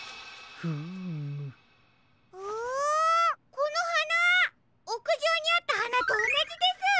このはなおくじょうにあったはなとおなじです！